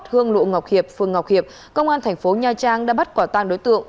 hương lộ ngọc hiệp phường ngọc hiệp công an thành phố nha trang đã bắt quả tan đối tượng